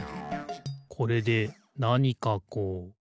これでなにかこう？